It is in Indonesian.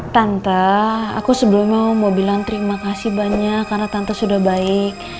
tante aku sebelumnya mau bilang terima kasih banyak karena tante sudah baik